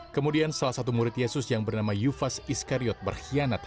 kemudian salah satu murid yesus yang bernama yufas iskariot berkhianat